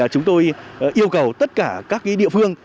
chúng tôi yêu cầu tất cả các địa phương